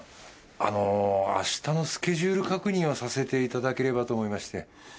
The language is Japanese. あの明日のスケジュール確認をさせていただければと思いまして。